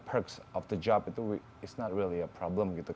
perk dari pekerjaan itu bukan masalah